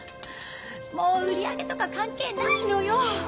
もう売り上げとか関係ないのよ！